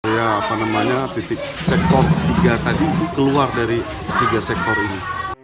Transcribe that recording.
ya apa namanya titik sektor tiga tadi keluar dari tiga sektor ini